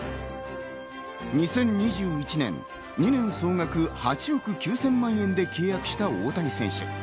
２０２１年、２年総額８億９０００万円で契約した大谷選手。